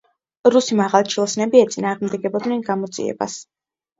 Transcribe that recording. რუსი მაღალჩინოსნები ეწინააღმდეგებოდნენ გამოძიებას.